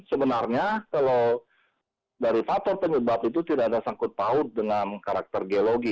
sebenarnya kalau dari faktor penyebab itu tidak ada sangkut paut dengan karakter geologi